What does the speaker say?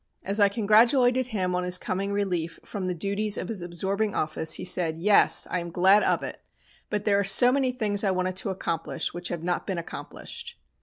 "As I congratulated him on his coming relief from the duties of his absorbing office, he said: "'Yes! I am glad of it; but there are so many things I wanted to accomplish which have not been accomplished.'